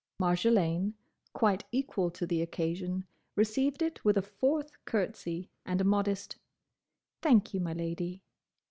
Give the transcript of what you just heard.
Marjolaine, quite equal to the occasion, received it with a fourth curtsey, and a modest "Thank you, my Lady."